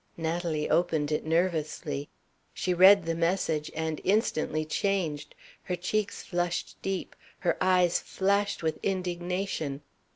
Natalie opened it nervously. She read the message and instantly changed. Her cheeks flushed deep; her eyes flashed with indignation.